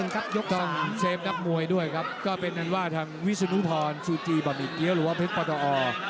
เกมนักมวยด้วยครับก็เป็นว่าทางวิชุนุพรซูจีบะหมี่เกี๊ยวหรือว่าเพชรปัตตาออ